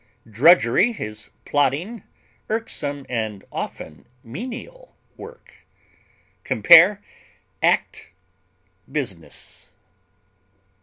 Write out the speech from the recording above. Drudgery is plodding, irksome, and often menial work. Compare ACT; BUSINESS.